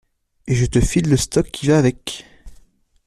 Et je te file le stock qui va avec.